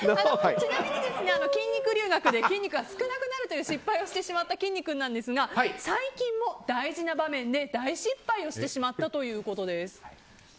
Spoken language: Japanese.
ちなみに、筋肉留学で筋肉が少なくなるという失敗をしてしまったきんに君なんですが最近も大事な場面で大失敗をしてしまったということです。